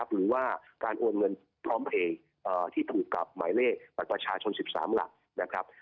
หรือว่าการโอนเงินพร้อมเพลงที่ถูกกับหมายเลขบัตรประชาชน๑๓หลักนะครับ